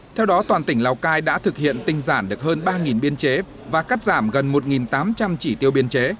theo đó toàn tỉnh lào cai đã thực hiện tinh giản được hơn ba biên chế và cắt giảm gần một tám trăm linh chỉ tiêu biên chế